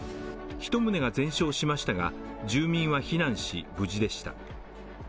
１棟が全焼しましたが住民は避難し無事でした。